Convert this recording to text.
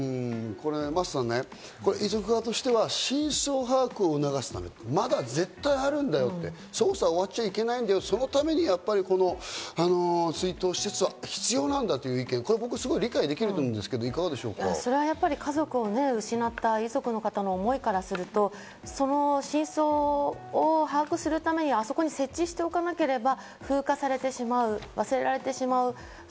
真麻さんね、遺族側としては真相把握を促すため、また絶対あるんだよって、捜査が終わっちゃいけないんだよって、そのために追悼施設は必要なんだという意見、理解できると思うん家族を失った遺族の方の思いからすると、その真相を把握するために、あそこに設置しておかなければ風化されてしまう、忘れられてしまう。